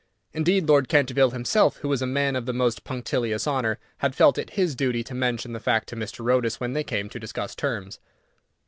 Indeed, Lord Canterville himself, who was a man of the most punctilious honour, had felt it his duty to mention the fact to Mr. Otis when they came to discuss terms.